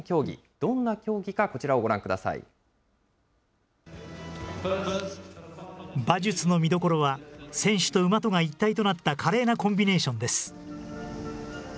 どんな競技かこちらをご覧くださ馬術の見どころは、選手と馬とが一体となった華麗なコンビネーションです。